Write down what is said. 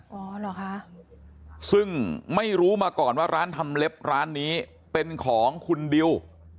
อ๋อเหรอคะซึ่งไม่รู้มาก่อนว่าร้านทำเล็บร้านนี้เป็นของคุณดิว